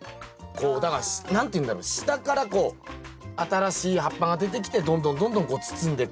だから何て言うんだろ下からこう新しい葉っぱが出てきてどんどんどんどんこう包んでく。